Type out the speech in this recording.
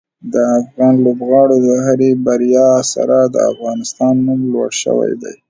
د افغان لوبغاړو د هرې بریا سره د افغانستان نوم لوړ شوی دی.